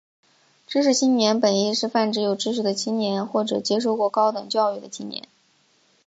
知识青年本义是泛指有知识的青年或者接受过高等教育的青年。